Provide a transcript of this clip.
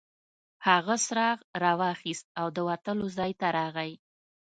هغه څراغ راواخیست او د وتلو ځای ته راغی.